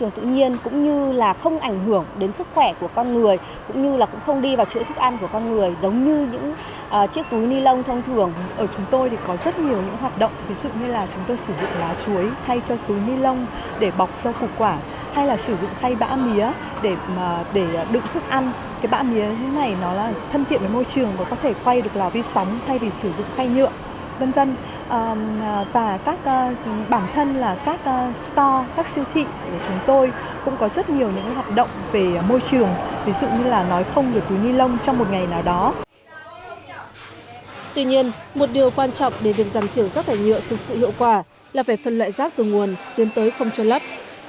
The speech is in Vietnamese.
tự nhiên một điều quan trọng để việc giảm thiểu rác thải nhựa thực sự hiệu quả là phải phân loại rác từ nguồn tiến tới không cho lấp